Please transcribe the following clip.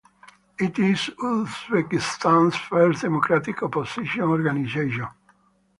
It is Uzbekistan's first democratic opposition organization.